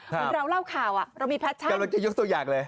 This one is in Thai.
เหมือนเราเล่าข่าวอ่ะเรามีแพชแท็กกำลังจะยกตัวอย่างเลย